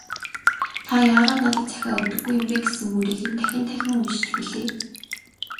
"Та яагаад надад захиа өгдөггүй юм бэ» гэсэн мөрийг нь дахин дахин уншиж билээ.